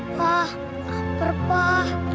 pak laper pak